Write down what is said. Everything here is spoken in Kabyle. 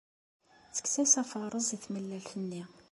Tekkes-as afareẓ i tmellalt-nni.